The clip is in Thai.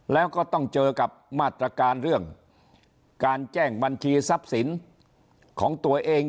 แล้วก็ต้องเจอกับมาตรการเรื่องการแจ้งบัญชีทรัพย์สินของตัวเอง